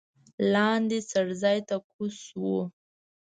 لاندې څړځای ته کوز شوو.